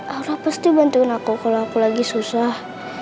alhamdulillah pasti bantuin aku kalau aku lagi susah